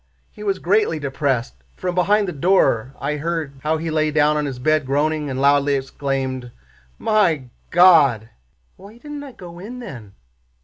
He was greatly depressed. From behind the door I heard how he lay down on his bed groaning and loudly exclaimed, 'My God!' Why didn't I go in then?